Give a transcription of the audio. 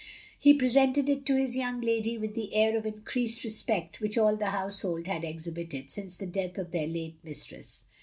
He presented it to his young lady with the air of increased respect which all the household had exhibited, since the death of their late mistress.